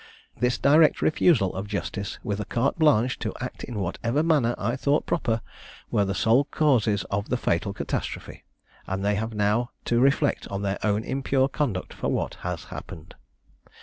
This direct refusal of justice, with a carte blanche to act in whatever manner I thought proper, were the sole causes of the fatal catastrophe and they have now to reflect on their own impure conduct for what has happened.